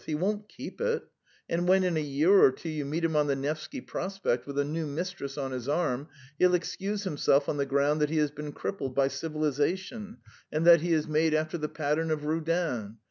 He won't keep it, and when in a year or two you meet him on the Nevsky Prospect with a new mistress on his arm, he'll excuse himself on the ground that he has been crippled by civilisation, and that he is made after the pattern of Rudin.